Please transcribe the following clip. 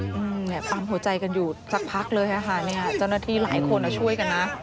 ปั๊มหัวใจกันอยู่สักพักเลยอาหารเนี่ยเจ้าหน้าที่หลายคนเอาช่วยกันนะ